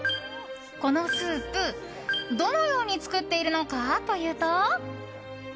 このスープ、どのように作っているのかというと。